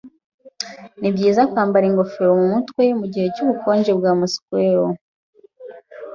Nibyiza kwambara ingofero mumutwe mugihe cyubukonje bwa Moscou.